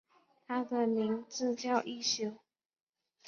他的名字叫一休。